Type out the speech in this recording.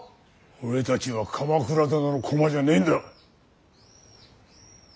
俺たちは鎌倉殿の駒じゃねえんだ！